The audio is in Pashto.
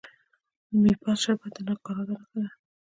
د میپل شربت د کاناډا نښه ده.